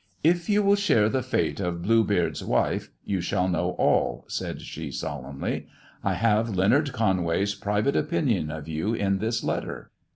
" If you will share the fate of Bluebeard^s wife, you shall know all," said she, solemnly. " I have Leonard Conway's private opinion of you in this letter."